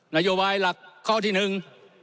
นโยบายหลักข้อที่หนึ่ง